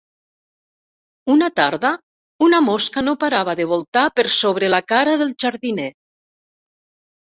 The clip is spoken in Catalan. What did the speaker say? Una tarda una mosca no parava de voltar per sobre la cara del jardiner.